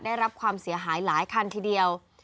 ได้รับความเสียหายหลายคันทีเดียว